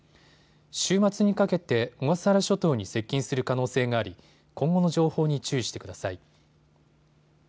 週末にかけて小笠原諸島に接近する可能性があり今後の情報に注意してください。